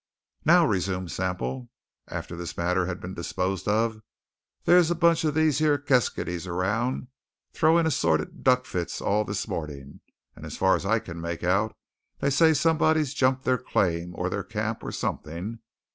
"Now," resumed Semple, after this matter had been disposed of, "there's a bunch of these yere keskydees around throwin' assorted duckfits all this morning; and as near as I can make out they say somebody's jumped their claim or their camp, or something.